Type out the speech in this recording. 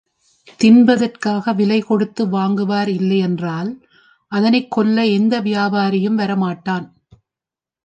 தின்பதற்காக விலை கொடுத்து வாங்குவார் இல்லை என்றால், அதனைக் கொல்ல எந்த வியாபாரியும் வர மாட்டான்.